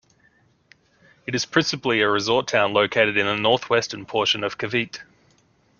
It is principally a resort town located in the north-western portion of Cavite.